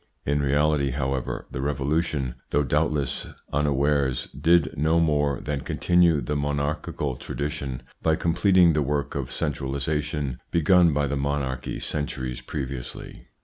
In reality, however, the Revolution, though doubtless unawares, did no more than continue the mon archical tradition, by completing the work of centralisation begun by the monarchy centuries previously.